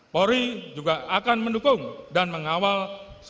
polri juga akan mendukung dan mengawal seluruh bangsa indonesia